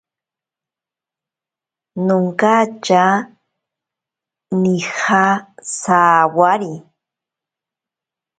Nonkatya nija sawari.